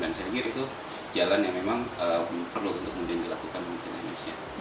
dan saya pikir itu jalan yang memang perlu untuk kemudian dilakukan dengan indonesia